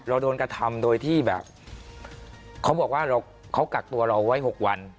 โดนกระทำโดยที่แบบเขาบอกว่าเขากักตัวเราไว้๖วัน